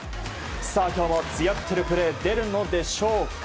さあ、今日も津屋ってるプレー出るのでしょうか？